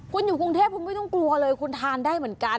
คุณอยู่กรุงเทพคุณไม่ต้องกลัวเลยคุณทานได้เหมือนกัน